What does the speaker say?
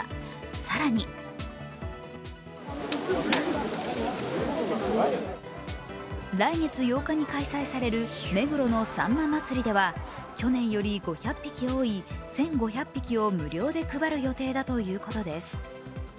更に来月８日に開催される目黒のさんま祭では去年より５００匹多い１５００匹を無料で配る予定だということです。